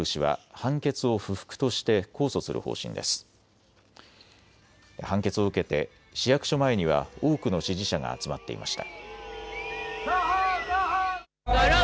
判決を受けて市役所前には多くの支持者が集まっていました。